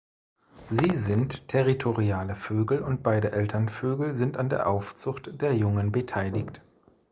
Sie sind territoriale Vögel und beide Elternvögel sind an der Aufzucht der Jungen beteiligt.